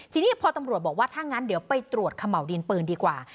ทีนี้พอตำรวจบอกว่าถ้างั้นเดี๋ยวไปตรวจเขม่าวดินปืนดีกว่า